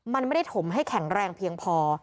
มันไม่ได้ถมให้แข็งแรงเพียงพอ